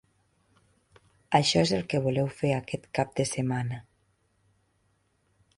Això és el que voleu fer aquest cap de setmana.